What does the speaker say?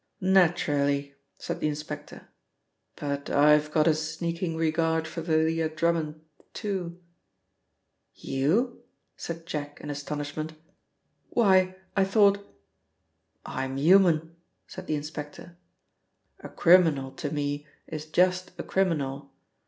"Naturally," said the inspector, "but I've got a sneaking regard for Thalia Drummond, too." "You?" said Jack in astonishment. "Why, I thought " "I'm human," said the inspector. "A criminal to me is just a criminal.